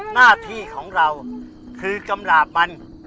หน้าที่ของเราคือกำหลาบมัน